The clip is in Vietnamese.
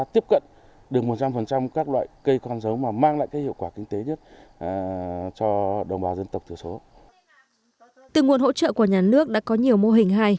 từ nguồn hỗ trợ của nhà nước đã có nhiều mô hình hay